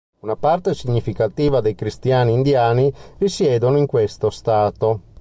Una parte significativa dei cristiani indiani risiedono in questo stato.